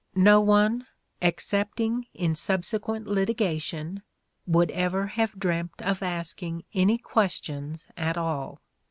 No one, excepting in subsequent litigation, would ever have dreamt of asking .. any questions at all.